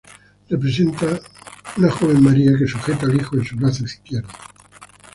Representa una joven María que sujeta al hijo en su brazo izquierdo.